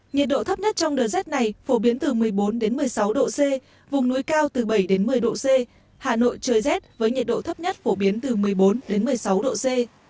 nhiệt độ thấp nhất trong đợt rét này phổ biến từ một mươi bốn một mươi sáu độ c vùng núi cao từ bảy một mươi độ c hà nội trời rét với nhiệt độ thấp nhất phổ biến từ một mươi bốn đến một mươi sáu độ c